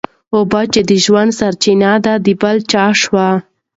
اوبه چي د ژوند سرچینه ده د بل چا شوې.